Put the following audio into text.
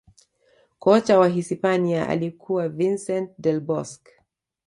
kocha wa hisipania alikuwa vincent del bosque